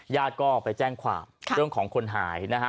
ญาติก็ไปแจ้งความเรื่องของคนหายนะฮะ